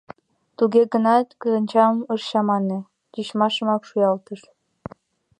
Туге гынат кленчам ыш чамане — тичмашымак шуялтыш.